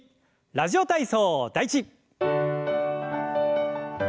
「ラジオ体操第１」。